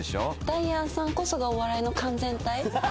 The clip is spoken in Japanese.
ダイアンさんこそがお笑いの完全体。